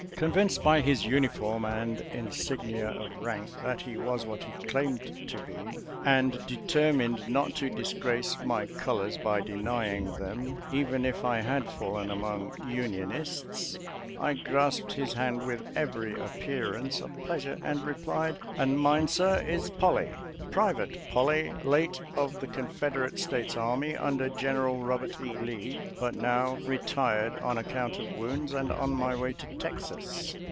Convinced by his uniform and insignia of rank that he was what he claimed to be, and deter mined not to disgrace my colors by denying them even if I had fallen among Unionists, I grasped his hand with every appearance of pleasure and replied, "And mine, sir, is Polley — Private PoUey, late of the Confederate States Army under Gen eral Eobert E. Lee, but now retired on ac count of wounds and on my way to Texas.